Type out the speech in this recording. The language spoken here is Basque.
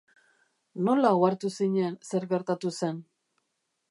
Nola ohartu zinen zer gertatu zen?